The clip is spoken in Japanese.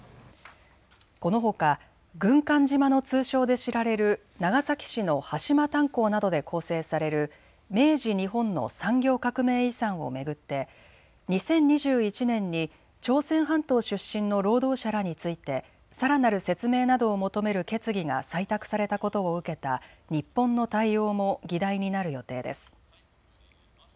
このほか軍艦島の通称で知られる長崎市の端島炭鉱などで構成される明治日本の産業革命遺産を巡って２０２１年に朝鮮半島出身の労働者らについてさらなる説明などを求める決議が採択されたことを受けた日本の対応も議題になる予定です。